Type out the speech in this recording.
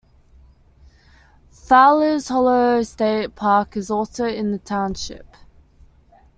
Fowlers Hollow State Park is also in the township.